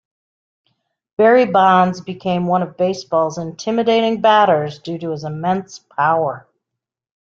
Barry Bonds became one of baseball's intimidating batters due to his immense power.